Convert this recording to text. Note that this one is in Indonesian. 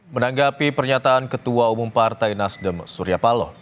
menanggapi pernyataan ketua umum partai nasdem surya paloh